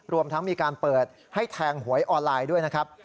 รวมทั้งมีการเปิดให้แทงหวยออนไลน์ด้วยนะครับ